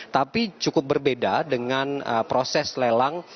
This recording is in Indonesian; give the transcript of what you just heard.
tapi cukup berbeda dengan proses lelang